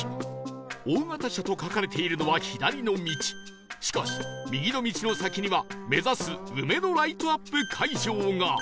「大型車」と書かれているのは左の道しかし右の道の先には目指す梅のライトアップ会場が